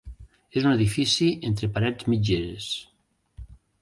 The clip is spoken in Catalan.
És un edifici entre parets mitgeres.